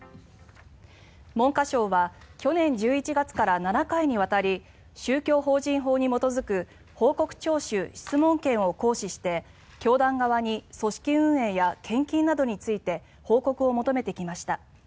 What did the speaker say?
文科省は去年１１月から７回にわたり宗教法人法に基づく報告徴収・質問権を行使して教団側に組織運営や献金などについて報告を求めてきました。